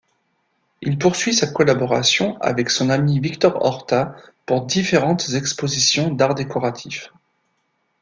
Il poursuit sa collaboration avec son ami Victor Horta pour différentes expositions d'Arts décoratifs.